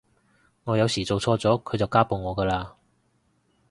我有時做錯咗佢就家暴我㗎喇